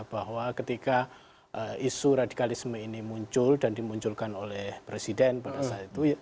bahwa ketika isu radikalisme ini muncul dan dimunculkan oleh presiden pada saat itu